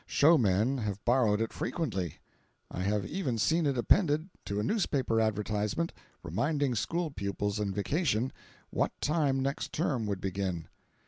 Showmen have borrowed it frequently. I have even seen it appended to a newspaper advertisement reminding school pupils in vacation what time next term would begin.